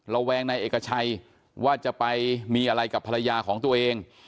แวงในเอกชัยว่าจะไปมีอะไรกับภรรยาของตัวเอง